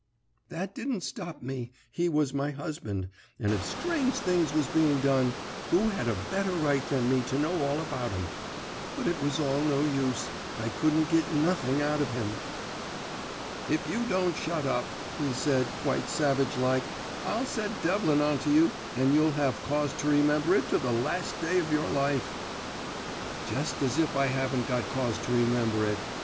"That didn't stop me; he was my husband, and if strange things was being done, who had a better right than me to know all about 'em? But it was all no use; I couldn't git nothing out of him. "'If you don't shut up,' he said, quite savage like, 'I'll set Devlin on to you, and you'll have cause to remember it to the last day of your life!' "Jest as if I haven't got cause to remember it!